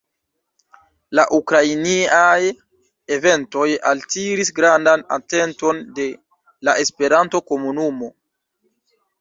La ukrainiaj eventoj altiris grandan atenton de la Esperanto-komunumo.